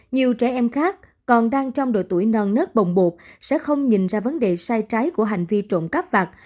nhiều trẻ em khác còn đang trong độ tuổi non nớt bồng bột sẽ không nhìn ra vấn đề sai trái của hành vi trộm cắp vặt